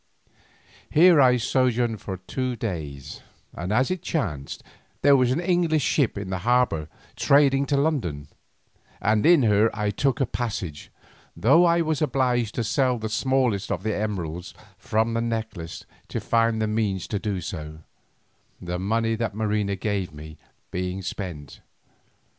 Here I sojourned but two days, for as it chanced there was an English ship in the harbour trading to London, and in her I took a passage, though I was obliged to sell the smallest of the emeralds from the necklace to find the means to do so, the money that Marina gave me being spent.